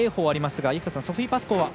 ソフィー・パスコーです。